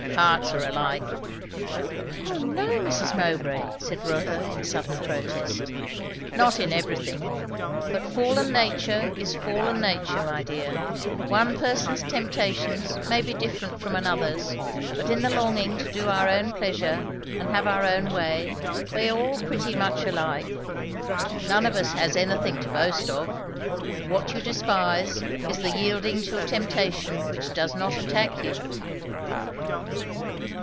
Hearts are alike." "O no, Mrs. Mowbray!" said Rotha in sudden protest. "Not in everything. But fallen nature is fallen nature, my dear; one person's temptations may be different from another's, but in the longing to do our own pleasure and have our own way, we are all pretty much alike. None of us has anything to boast of. What you despise, is the yielding to a temptation which does not attack you."